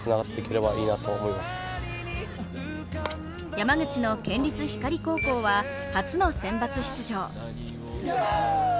山口の県立光高校は、初のセンバツ出場。